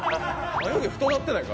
「眉毛太なってないか？」